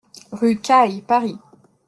Rue Cail, Paris